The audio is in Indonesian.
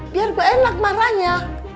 biar gue enak marahnya